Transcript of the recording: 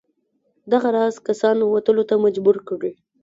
دغه راز کسان وتلو ته مجبور کړي.